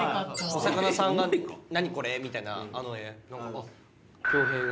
お魚さんが「何？これ」みたいなあの絵。